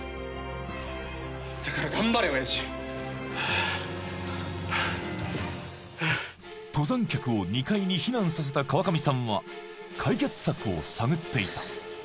ああ登山客を２階に避難させた川上さんは解決策を探っていた